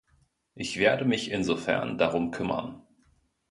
Ich werde mich insofern darum kümmern.